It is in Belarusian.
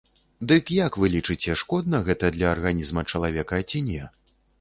Дык як вы лічыце, шкодна гэта для арганізма чалавека ці не?